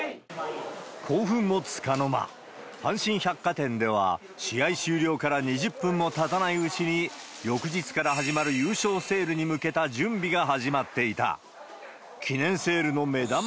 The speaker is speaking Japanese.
興奮もつかの間、阪神百貨店では、試合終了から２０分もたたないうちに、翌日から始まる優勝セールに向けた準備が始まっていた。